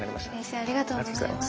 ありがとうございます。